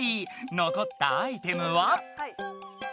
のこったアイテムは？